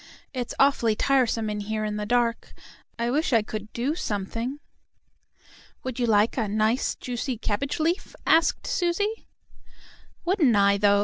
"It's awfully tiresome in here in the dark. I wish I could do something." "Would you like a nice, juicy cabbage leaf?" asked Susie. "Wouldn't I, though!"